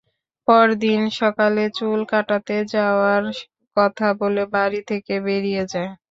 পরদিন সকালে চুল কাটাতে যাওয়ার কথা বলে বাড়ি থেকে বেরিয়ে যায়।